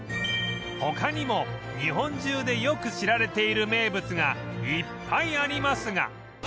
他にも日本中でよく知られている名物がいっぱいありますが